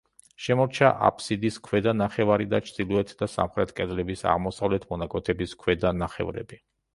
შემორჩა აბსიდის ქვედა ნახევარი და ჩრდილოეთ და სამხრეთ კედლების აღმოსავლეთ მონაკვეთების ქვედა ნახევრები.